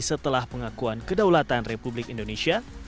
setelah pengakuan kedaulatan republik indonesia